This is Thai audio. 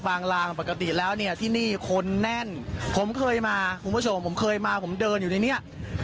ลางปกติแล้วเนี่ยที่นี่คนแน่นผมเคยมาคุณผู้ชมผมเคยมาผมเดินอยู่ในเนี้ย